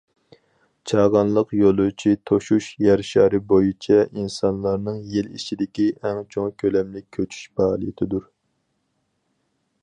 چاغانلىق يولۇچى توشۇش يەر شارى بويىچە ئىنسانلارنىڭ يىل ئىچىدىكى ئەڭ چوڭ كۆلەملىك كۆچۈش پائالىيىتىدۇر.